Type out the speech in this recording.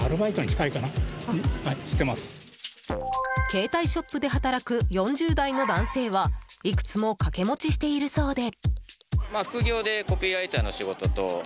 携帯ショップで働く４０代の男性はいくつも掛け持ちしているそうで。